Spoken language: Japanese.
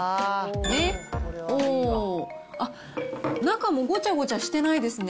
で、おーっ、中もごちゃごちゃしてないですね。